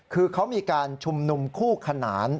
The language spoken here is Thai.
คือเขามีการชุมนุมคู่ขนาน